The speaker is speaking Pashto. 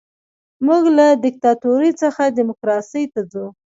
موږ له دیکتاتورۍ څخه ډیموکراسۍ ته ځو.